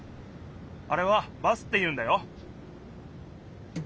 あれはバスっていうんだよ。